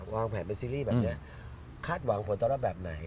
วางแผนเป็นซีรีส์แบบนี้คาดหวังผลตอบรับแบบไหน